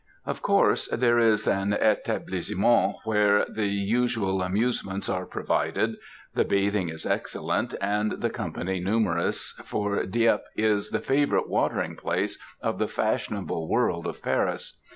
Of course, there is an etablissement where the usual amusements are provided; the bathing is excellent, and the company numerous, for Dieppe is the favourite watering place of the fashionable world of Paris.